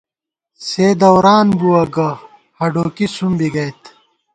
سے دَوران بُوَہ گہ ہَڈوکی سُم بی گئیت